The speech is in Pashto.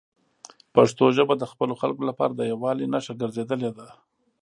پښتو ژبه د خپلو خلکو لپاره د یووالي نښه ګرځېدلې ده.